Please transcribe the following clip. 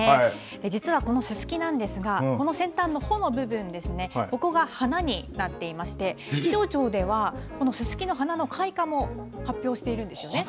実はこのすすきなんですが、この先端の穂の部分ですね、ここが花になっていまして、気象庁では、このすすきの花の開花も発表しているんですよね。